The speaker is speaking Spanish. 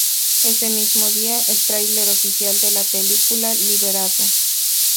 Ese mismo día, el trailer oficial de la película liberado.